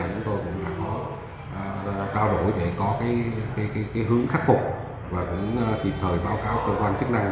chúng tôi đã cao đổi để có hướng khắc phục và cũng tìm thời báo cáo cơ quan chức năng